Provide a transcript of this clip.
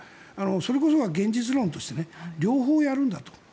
それこそ現実論として両方やるんだと。